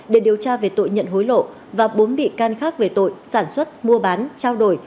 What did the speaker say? để điều tra về tội nhận hối lộ và bốn bị can khác về tội sản xuất mua bán trao đổi